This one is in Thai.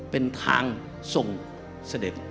เป็นทางส่งเสด็จ